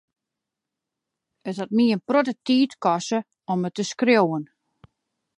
It hat my in protte tiid koste om it te skriuwen.